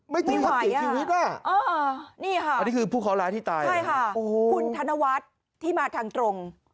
ไม่ไหวอ่ะนี่ค่ะอันนี้คือผู้ขอร้ายที่ตายใช่ค่ะคุณธนวัฒน์ที่มาทางตรง